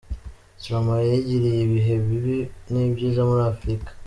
Stromae yagiriye ibihe bibi n’ibyiza muri Afurika.